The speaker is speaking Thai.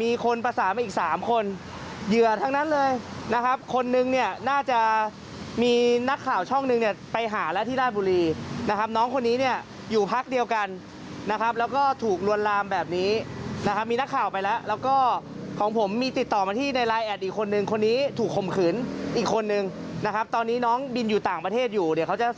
มีคนประสานมาอีกสามคนเหยื่อทั้งนั้นเลยนะครับคนนึงเนี่ยน่าจะมีนักข่าวช่องหนึ่งเนี่ยไปหาแล้วที่ราชบุรีนะครับน้องคนนี้เนี่ยอยู่พักเดียวกันนะครับแล้วก็ถูกลวนลามแบบนี้นะครับมีนักข่าวไปแล้วแล้วก็ของผมมีติดต่อมาที่ในไลน์แอดอีกคนนึงคนนี้ถูกข่มขืนอีกคนนึงนะครับตอนนี้น้องบินอยู่ต่างประเทศอยู่เดี๋ยวเขาจะ